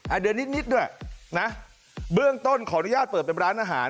เดือนนิดนิดด้วยนะเบื้องต้นขออนุญาตเปิดเป็นร้านอาหาร